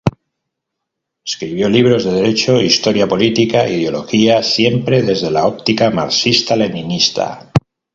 Escribió libros de derecho, historia, política, ideología, siempre desde la óptica marxista-leninista.